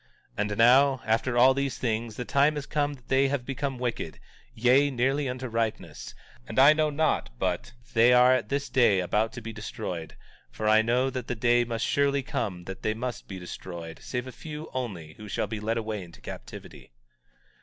17:43 And now, after all these things, the time has come that they have become wicked, yea, nearly unto ripeness; and I know not but they are at this day about to be destroyed; for I know that the day must surely come that they must be destroyed, save a few only, who shall be led away into captivity.